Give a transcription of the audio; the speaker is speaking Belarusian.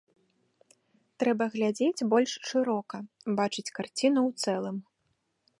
Трэба глядзець больш шырока, бачыць карціну ў цэлым.